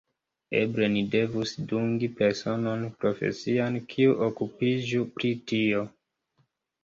Eble ni devus dungi personon profesian kiu okupiĝu pri tio.